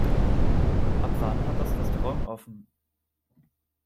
Ab wann hat das Restaurant offen?